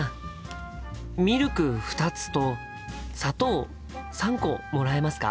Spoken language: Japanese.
ミルク２つと砂糖３個もらえますか？